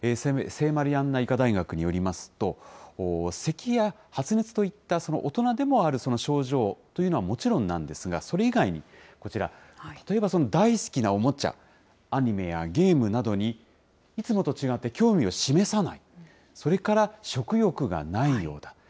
聖マリアンナ医科大学によりますと、せきや発熱といったその大人でもある症状というのは、もちろんなんですが、それ以外にこちら、例えば大好きなおもちゃ、アニメやゲームなどに、いつもと違って興味を示さない、それから食欲がないようだ。